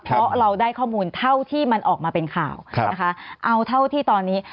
เพราะเราได้ข้อมูลเท่าที่มันออกมาเป็นข่าวนะคะเอาเท่าที่ตอนนี้